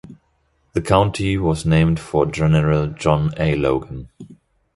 The county was named for General John A. Logan.